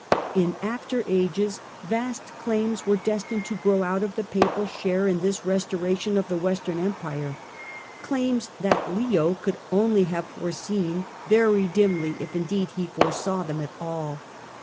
In after ages vast claims were destined to grow out of the Papal share in this restoration of the Western Empire — claims that Leo could only have foreseen very dimly, if indeed he foresaw them at all.